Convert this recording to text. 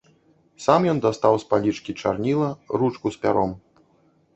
Сам ён дастаў з палічкі чарніла, ручку з пяром.